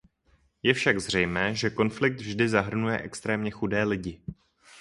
Je však zřejmé, že konflikt vždy zahrnuje extrémně chudé lidi.